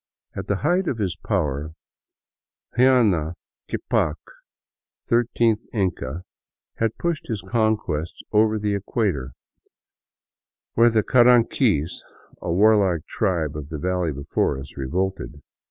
At the height of his power Huayna Ccapac, thir teenth Inca, had pushed his conquests over the equator, when the Car anquis, a warlike tribe of the valley before us, revolted.